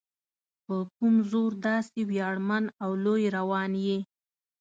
په کوم زور داسې ویاړمن او لوی روان یې؟